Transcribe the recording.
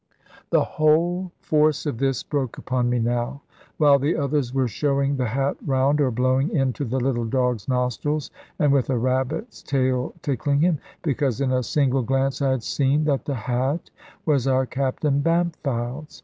The whole force of this broke upon me now; while the others were showing the hat round, or blowing into the little dog's nostrils, and with a rabbit's tail tickling him; because in a single glance I had seen that the hat was our Captain Bampfylde's.